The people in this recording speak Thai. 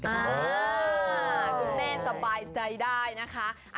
อ่าคุณแม่สบายใจได้นะคะ